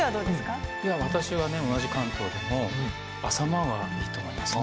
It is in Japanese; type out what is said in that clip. いや私はね同じ関東でも浅間はいいと思いますね。